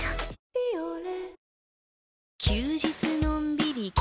「ビオレ」